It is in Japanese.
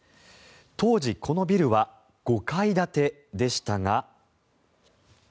当時、このビルは５階建てでしたが。